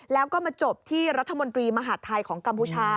แล้วก็มาจบที่รัฐมนตรีมหาดไทยของกัมพูชา